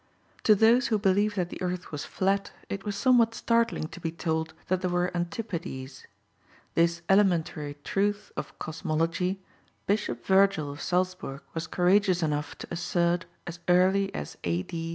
To those who believed that the earth was flat it was somewhat startling to be told that there were antipodes. This elementary truth of cosmology Bishop Virgil of Salzbourg was courageous enough to assert as early as A.D.